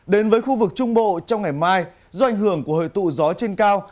đến với khu vực trung bộ trong ngày mai do ảnh hưởng của hồi tụ gió trên cao